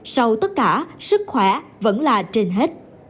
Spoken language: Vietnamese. sau tất cả sức khỏe vẫn là trên hết